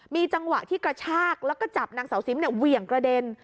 มีจังหวะที่กระชากแล้วก็จับนางสาวซิมเหวี่ยงกระเด็น